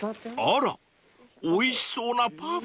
［あらおいしそうなパフェ！］